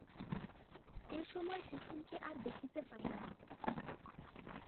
এ সময়ে কুসুমকে আর দেখিতে পাই না।